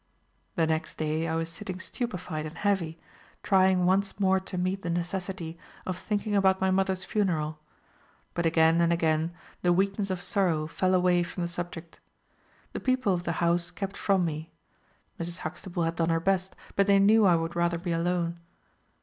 The next day I was sitting stupified and heavy, trying once more to meet the necessity of thinking about my mother's funeral; but again and again, the weakness of sorrow fell away from the subject. The people of the house kept from me. Mrs. Huxtable had done her best, but they knew I would rather be alone.